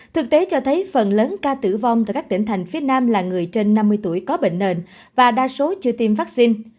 thực tế cho thấy phần lớn ca tử vong tại các tỉnh thành phía nam là người trên năm mươi tuổi có bệnh nền và đa số chưa tiêm vaccine